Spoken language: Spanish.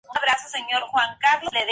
Jin Hoon comenzó su carrera como modelo.